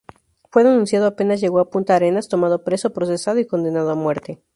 Fue denunciado apenas llegó a Punta Arenas, tomado preso, procesado y condenado a muerte.